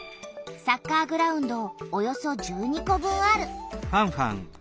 サッカーグラウンドおよそ１２個分ある。